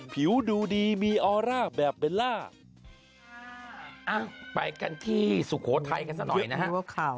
ไปกันที่สุโขทัยกันสักหน่อยนะฮะ